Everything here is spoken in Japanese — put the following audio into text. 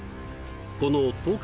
この東海